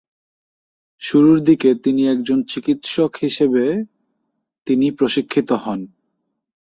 শুরুর দিকে তিনি একজন চিকিৎসক হিসেবে তিনি প্রশিক্ষিত হন।